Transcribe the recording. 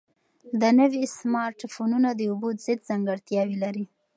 دا نوي سمارټ فونونه د اوبو ضد ځانګړتیاوې لري.